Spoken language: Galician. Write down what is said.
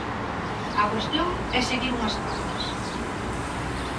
A cuestión é seguir unhas pautas.